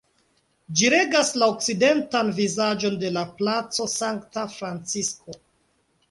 Ĝi regas la okcidentan vizaĝon de la Placo Sankta Francisko.